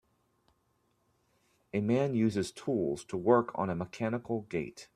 A man uses tools to work on a mechanical gate.